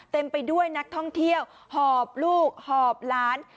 เต็มไปด้วยนักท่องเที่ยวหอบลูกหอบหลาน